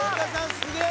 すげえ！